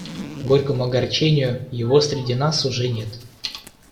К горькому огорчению, его среди нас уже нет.